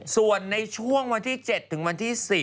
ส่วนในช่วงวันที่๗ถึงวันที่๔